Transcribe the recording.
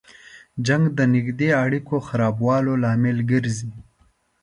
جنګ د نږدې اړیکو خرابولو لامل ګرځي.